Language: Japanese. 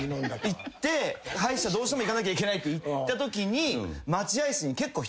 歯医者どうしても行かなきゃいけない行ったときに。